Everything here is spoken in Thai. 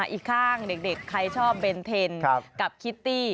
อีกข้างเด็กใครชอบเบนเทนกับคิตตี้